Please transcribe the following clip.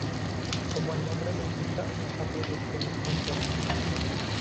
Como el nombre lo indica, esta proyección es conforme.